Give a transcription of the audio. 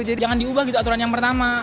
jangan diubah gitu aturan yang pertama